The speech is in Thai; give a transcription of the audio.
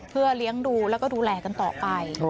เพื่อเลี้ยงดูแล้วก็ดูแลกันต่อไป